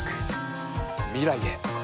未来へ。